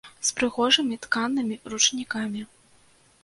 З прыгожымі тканымі ручнікамі.